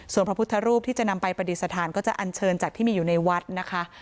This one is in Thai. ส่วนพระพุทธรูปที่จะนำไปปฏิสถานก็จะอันเชิญจากที่มีอยู่ในวัดนะคะ